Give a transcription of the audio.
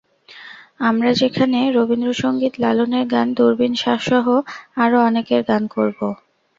আমরা সেখানে রবীন্দ্রসংগীত, লালনের গান, দুরবীন শাহসহ আরও অনেকের গান করব।